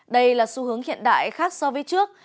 đây là xu hướng hiện đại khác so với trước